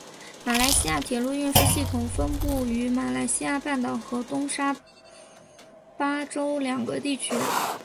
马来西亚铁路运输系统分布于马来西亚半岛和东马沙巴州两个地区。